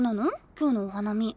今日のお花見。